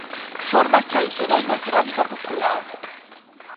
Formas tradicionais da cerámica popular.